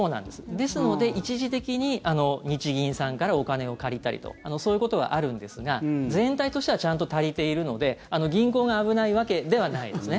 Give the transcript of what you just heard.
ですので、一時的に日銀さんからお金を借りたりとそういうことはあるんですが全体としてはちゃんと足りているので銀行が危ないわけではないんですね。